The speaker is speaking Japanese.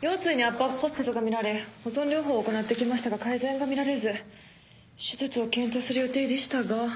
腰椎に圧迫骨折が見られ保存療法を行ってきましたが改善が見られず手術を検討する予定でしたが。